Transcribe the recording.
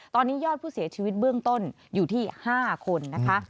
ตอนนี้ยอดผู้เสียชีวิตเบื้องต้นอยู่ที่๕คนนะคะ